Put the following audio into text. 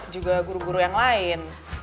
juga guru guru yang lain